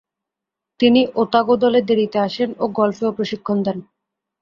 তিনি ওতাগো দলে দেরীতে আসেন ও গল্ফেও প্রশিক্ষণ দেন।